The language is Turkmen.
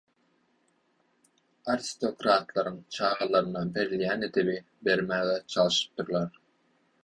aristokratlaryň çagalaryna berilýän edebi bermäge çalşypdyrlar.